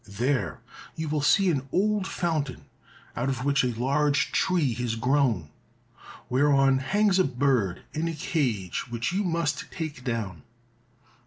There you will see an old fountain out of which a large tree has grown, whereon hangs a bird in a cage which you must take down.